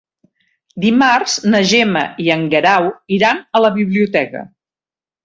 Dimarts na Gemma i en Guerau iran a la biblioteca.